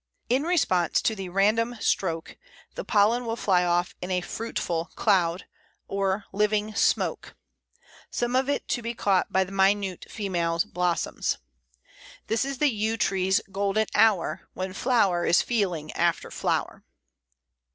In response to the "random stroke" the pollen will fly off in a "fruitful cloud" or "living smoke," some of it to be caught by the minute female blossoms. This is the Yew tree's "golden hour, when flower is feeling after flower."